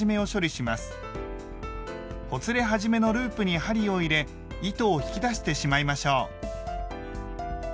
ほつれ始めのループに針を入れ糸を引き出してしまいましょう。